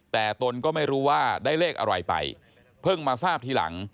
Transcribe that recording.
แต่ตนก็ไม่รู้ว่าได้เลขอะไรไปเพิ่งมาทราบทีหลัง